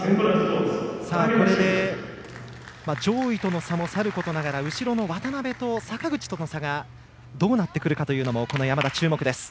これで上位との差もさることながら後ろの渡部と坂口との差がどうなってくるかというのも山田、注目です。